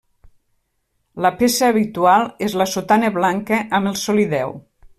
La peça habitual és la sotana blanca amb el solideu.